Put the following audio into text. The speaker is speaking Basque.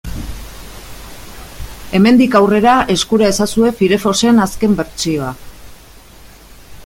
Hemendik aurrera eskura ezazue Firefoxen azken bertsioa.